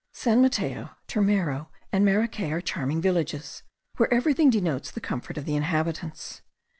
San Mateo, Turmero, and Maracay, are charming villages, where everything denotes the comfort of the inhabitants.